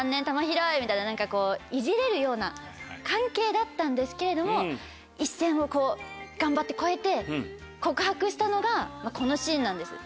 みたいなイジれるような関係だったんですけれども一線を頑張って越えて告白したのがこのシーンなんです。